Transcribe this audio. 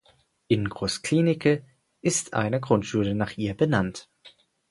In Groß Glienicke ist eine Grundschule nach ihr benannt.